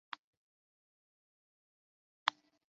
促进了民营科技企业的诞生和成长。